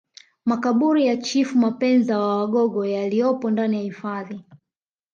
Makaburi ya Chifu Mapenza wa wagogo yaliyopo ndani ya hifadhi